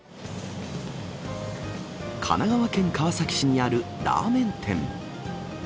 神奈川県川崎市にあるラーメン店。